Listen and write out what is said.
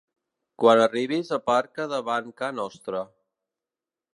Quan arribis aparca davant ca nostra